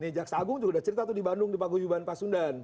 ini jaksa agung juga udah cerita tuh di bandung di paguyuban pasundan